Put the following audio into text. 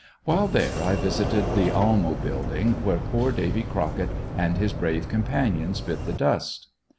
While there I visited the Almo building where poor Davy Crocket and his brave companions bit the dust.